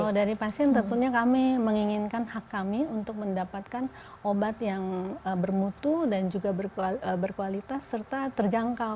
kalau dari pasien tentunya kami menginginkan hak kami untuk mendapatkan obat yang bermutu dan juga berkualitas serta terjangkau